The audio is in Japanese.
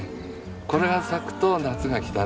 これが咲くと夏が来たって。